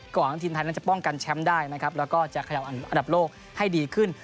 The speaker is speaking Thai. หวังทีมไทยนั้นจะป้องกันแชมป์ได้นะครับแล้วก็จะขยับอันดับโลกให้ดีขึ้น